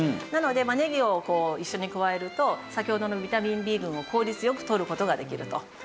なのでねぎをこう一緒に加えると先ほどのビタミンＢ群を効率よくとる事ができると。